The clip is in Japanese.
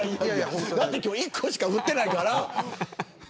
だって、今日１個しか振ってないから。